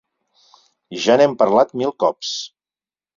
Ja n'hem parlat mil cops.